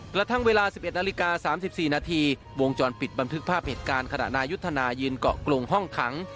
กระทั่งเวลา๑๑นาฬิกา๓๔นาทีวงจรปิดบันทึกภาพเหตุการณ์ขณะนายุทธนายืนเกาะกลงห้องขัง